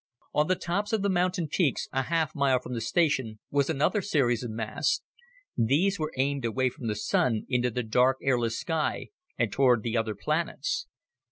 On the tops of the mountain peaks, a half mile from the station, was another series of masts. These were aimed away from the Sun into the dark airless sky and toward the other planets.